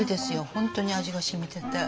本当に味がしみてて。